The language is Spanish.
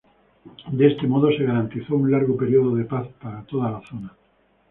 De este modo se garantizó un largo período de paz para toda la zona.